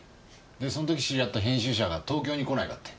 でその時知り会った編集者が東京に来ないかって。